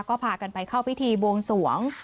ก็พากันไปเข้าพิธีบวงสวง